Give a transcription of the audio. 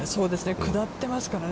下ってますからね。